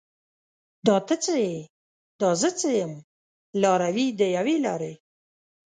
دا ته څه یې؟ دا زه څه یم؟ لاروي د یوې لارې